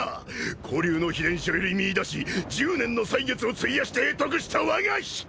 古流の秘伝書より見いだし１０年の歳月を費やして会得したわが秘剣！